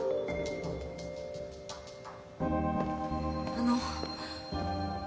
あの。